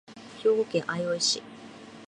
兵庫県相生市